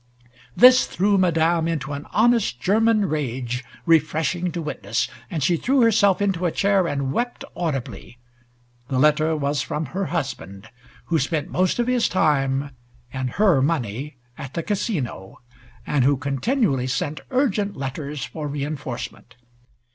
This threw Madame into an honest German rage, refreshing to witness, and she threw herself into a chair and wept audibly. The letter was from her husband, who spent most of his time and her money at the Casino, and who continually sent urgent letters for re enforcement.